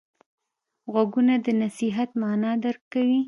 غوږونه د نصیحت معنی درک کوي